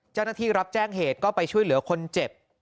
เจ้าหน้าที่รับแจ้งเหตุก็ไปช่วยเหลือคนเจ็บ